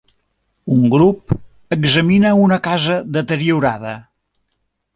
Un grup examina una casa deteriorada.